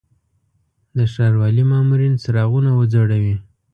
د ښاروالي مامورین څراغونه وځړوي.